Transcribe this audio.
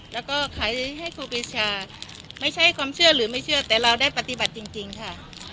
แล้วก็ขายให้ครูปีชาไม่ใช่ความเชื่อหรือไม่เชื่อแต่เราได้ปฏิบัติจริงค่ะ